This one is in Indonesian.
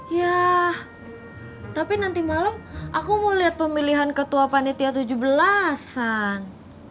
ya tapi nanti malam aku mau lihat pemilihan ketua panitia tujuh belas an